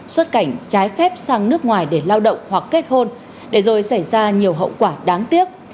xuất cảnh trái phép sang nước ngoài để lao động hoặc kết hôn để rồi xảy ra nhiều hậu quả đáng tiếc